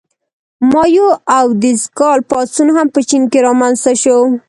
مائو او د ز کال پاڅون هم په چین کې رامنځته شو.